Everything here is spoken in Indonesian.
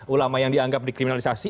ulama yang dianggap dikriminalisasi